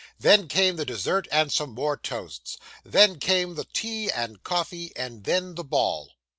Then came the dessert and some more toasts. Then came the tea and coffee; and then, the ball.